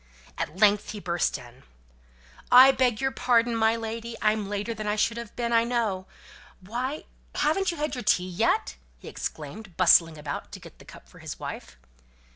At length he burst in: "I beg your pardon, my lady, I'm later than I should have been, I know. Why! haven't you had your tea yet?" he exclaimed, bustling about to get the cup for his wife.